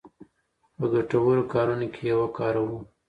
په ګټورو کارونو کې یې وکاروو.